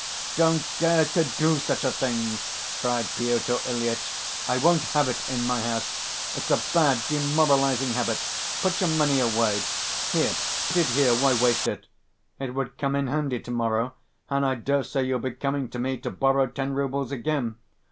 "Don't dare to do such a thing!" cried Pyotr Ilyitch. "I won't have it in my house, it's a bad, demoralizing habit. Put your money away. Here, put it here, why waste it? It would come in handy to‐morrow, and I dare say you'll be coming to me to borrow ten roubles again.